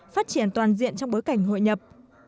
phát triển toàn diện trong bối cảnh hội nhập